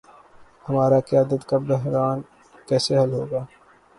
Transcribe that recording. ہمارا قیادت کا بحران کیسے حل ہو گا۔